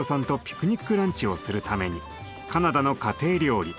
ピクニックランチをするためにカナダの家庭料理